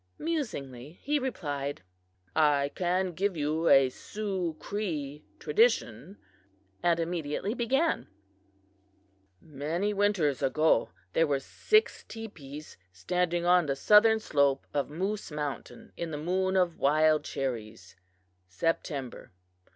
Musingly he replied: "I can give you a Sioux Cree tradition," and immediately began: "Many winters ago, there were six teepees standing on the southern slope of Moose mountain in the Moon of Wild Cherries (September).